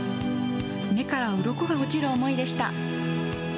目からうろこが落ちる思いでした。